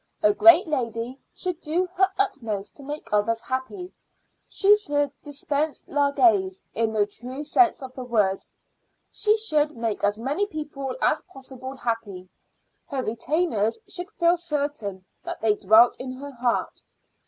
A great lady should do her utmost to make others happy. She should dispense largesse in the true sense of the word. She should make as many people as possible happy. Her retainers should feel certain that they dwelt in her heart.